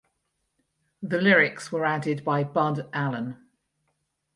The lyrics were added by Bud Allen.